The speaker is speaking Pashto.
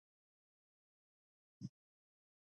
پابندی غرونه د افغان ماشومانو د زده کړې موضوع ده.